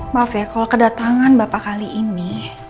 maaf ya kalau kedatangan bapak kali ini